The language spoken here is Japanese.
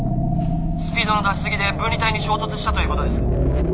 「スピードの出しすぎで分離帯に衝突したという事です」